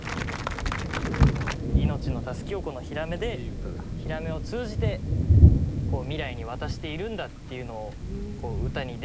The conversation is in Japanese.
命のタスキをこのヒラメでヒラメを通じて未来に渡しているんだっていうのを歌にできたらなと思って。